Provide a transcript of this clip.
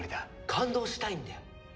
感動したいんだよ。